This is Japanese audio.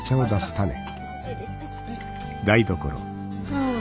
ああ。